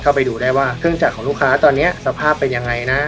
ไปดูได้ว่าเครื่องจักรของลูกค้าตอนนี้สภาพเป็นยังไงนะ